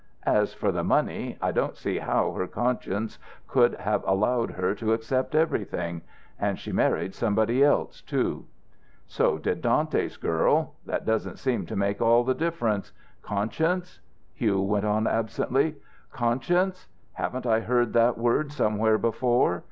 "As for the money, I don't see how her conscience could have allowed her to accept everything. And she married somebody else, too." "So did Dante's girl. That doesn't seem to make all the difference. Conscience?" Hugh went on, absently. "Conscience? Haven't I heard that word somewhere before?